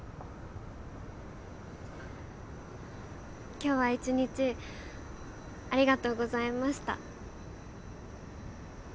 今日は１日ありがとうございました。